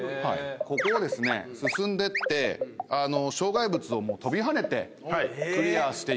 ここをですね進んでって障害物を跳びはねてクリアしていく。